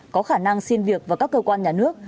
có khả năng xin việc vào các cơ quan nhà nước